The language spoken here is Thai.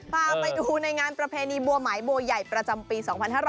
พาไปดูในงานประเพณีบัวหมายบัวใหญ่ประจำปี๒๕๕๙